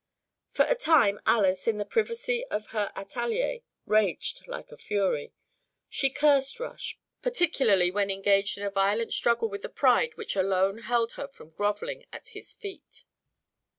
For a time Alys, in the privacy of her atelier, raged like a fury. She cursed Rush, particularly when engaged in a violent struggle with the pride which alone held her from grovelling at his feet.